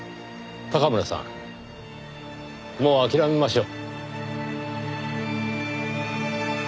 高村さんもう諦めましょう。